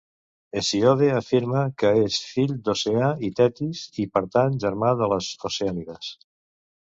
Hesíode afirma que és fill d'Oceà i Tetis i, per tant, germà de les Oceànides.